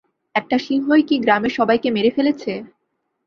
একটা সিংহই কি গ্রামের সবাইকে মেরে ফেলেছে?